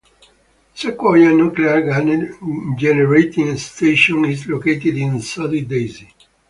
Sequoyah Nuclear Generating Station is located in Soddy-Daisy.